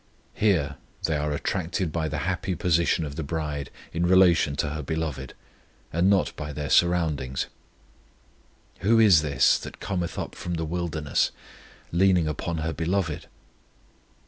Here they are attracted by the happy position of the bride in relation to her Beloved, and not by their surroundings. Who is this that cometh up from the wilderness, Leaning upon her Beloved?